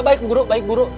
baik bu guru